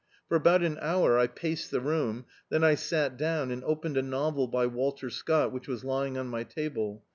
For about an hour I paced the room, then I sat down and opened a novel by Walter Scott which was lying on my table.